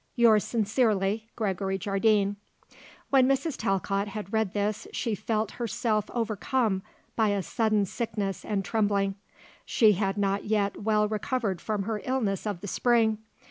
Yours sincerely, "Gregory Jardine." When Mrs. Talcott had read this she felt herself overcome by a sudden sickness and trembling. She had not yet well recovered from her illness of the Spring.